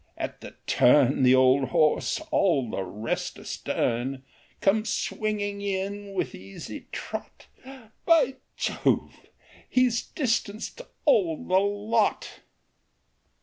at the turn, The old horse — all the rest astern, — Comes swinging in, with easy trot ; By Jove ! he 's distanced all the lot